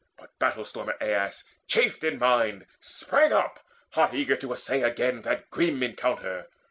But battle stormer Aias, chafed in mind, Sprang up, hot eager to essay again That grim encounter.